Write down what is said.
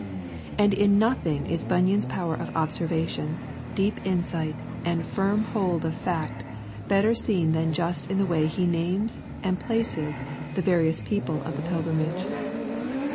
And in nothing is Bunyan's power of observation, deep insight, and firm hold of fact better seen than just in the way he names and places the various people of the pilgrimage.